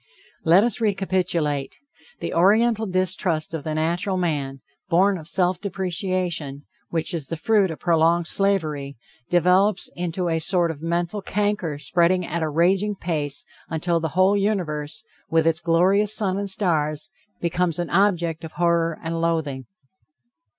Let us recapitulate. The Oriental distrust of the natural man, born of self depreciation, which is the fruit of prolonged slavery, develops into a sort of mental canker spreading at a raging pace until the whole universe, with its glorious sun and stars, becomes an object of horror and loathing.